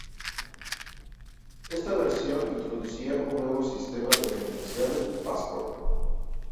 Esta versión introducía un nuevo sistema de credenciales de Passport.